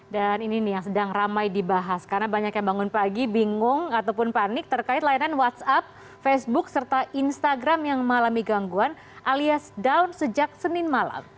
dan ini nih yang sedang ramai dibahas karena banyak yang bangun pagi bingung ataupun panik terkait layanan whatsapp facebook serta instagram yang malami gangguan alias down sejak senin malam